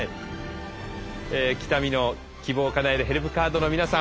北見の「希望をかなえるヘルプカード」の皆さん